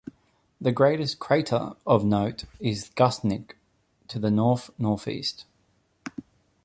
The nearest crater of note is Guthnick to the north-northeast.